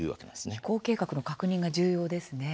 飛行計画の確認が重要ですね。